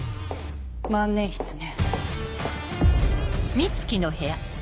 万年筆ね。